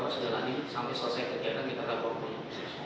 terus jalanin sampai selesai kegiatan kita dapat punya